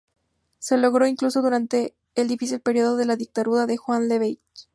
Lo logró, incluso durante el difícil período de la dictadura de Juan Lavalle.